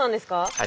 はい。